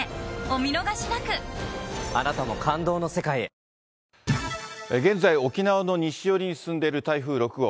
明治おいしい牛乳現在、沖縄の西寄りに進んでいる台風６号。